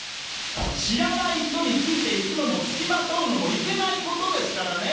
知らない人についていくのもつきまとうのもいけないことですからね！